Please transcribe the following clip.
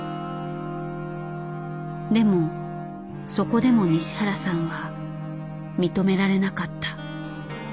でもそこでも西原さんは認められなかった。